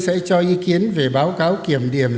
sẽ cho ý kiến về báo cáo kiểm điểm